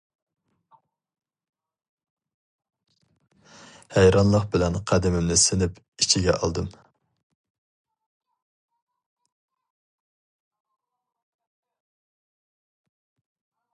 ھەيرانلىق بىلەن قەدىمىمنى سىنىپ ئىچىگە ئالدىم.